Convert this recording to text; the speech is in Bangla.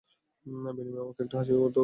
বিনিময়ে আমাকে একটা হাসিও তো দিতে পারতে।